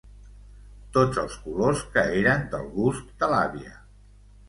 Tots els colors que eren del gust de l'àvia.